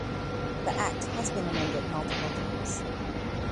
The Act has been amended multiple times.